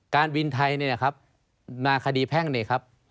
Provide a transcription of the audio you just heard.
การบินไทยเนี่ยนะครับนาคดีแพ่งเนี่ยครับ